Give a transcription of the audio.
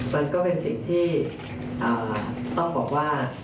มันก็เป็นสิ่งที่ต้องบอกว่า